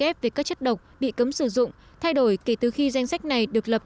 evf về các chất độc bị cấm sử dụng thay đổi kể từ khi danh sách này được lập